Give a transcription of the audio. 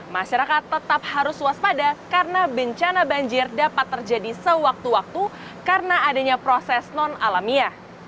masyarakat tetap harus waspada karena bencana banjir dapat terjadi sewaktu waktu karena adanya proses non alamiah